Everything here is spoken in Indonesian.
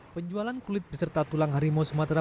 penjualan kulit beserta tulang harimau sumatera